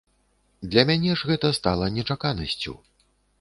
Для мяне ж гэта стала нечаканасцю.